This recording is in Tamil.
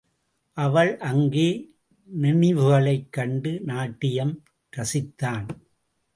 அவள் அங்க நெனிவுகளைக் கண்டு நாட்டியம் ரசித்தான்.